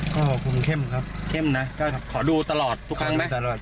ก็คุ้มเข้มครับเข้มนะครับขอดูตลอดทุกครั้งไหมขอดูตลอด